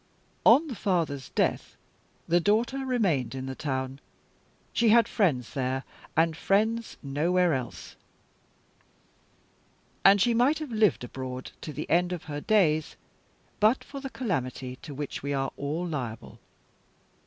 On the father's death, the daughter remained in the town. She had friends there, and friends nowhere else; and she might have lived abroad to the end of her days, but for a calamity to which we are all liable.